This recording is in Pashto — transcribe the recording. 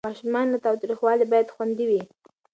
ماشومان له تاوتریخوالي باید خوندي وي.